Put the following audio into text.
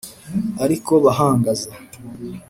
ari ko bahangaza.